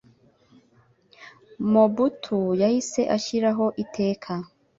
Mobutu yahise ashyiraho iteka